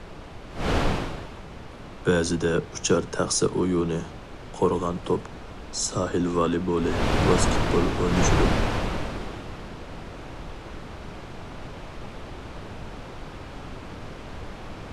بەزىدە ئۇچار تەخسە ئويۇنى، قورغان توپ، ساھىل ۋالىبولى، ۋاسكېتبول ئوينىشىدۇ.